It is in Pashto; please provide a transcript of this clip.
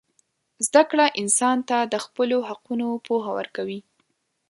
زدهکړه انسان ته د خپلو حقونو پوهه ورکوي.